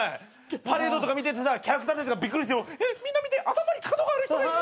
パレードとか見ててさキャラクターたちがびっくりして「みんな見て！頭に角がある人がいる！」